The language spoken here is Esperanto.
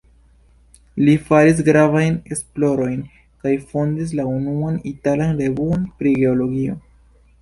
Li faris gravajn esplorojn kaj fondis la unuan italan revuon pri geologio.